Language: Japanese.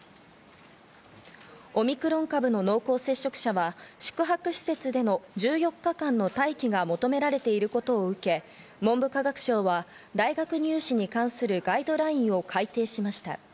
オミクロン株の濃厚接触者は宿泊施設での１４日間の待機が求められていることを受け、文部科学省は大学入試に関するガイドラインを改訂しました。